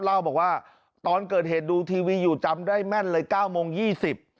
เล่าบอกว่าตอนเกิดเหตุดูทีวีอยู่จำได้แม่นเลยเก้าโมงยี่สิบ